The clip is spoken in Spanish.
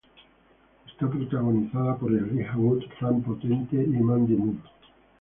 Está protagonizada por Elijah Wood, Franka Potente y Mandy Moore.